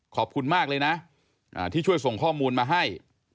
ขอบคุณมากเลยนะที่ช่วยส่งข้อมูลมาให้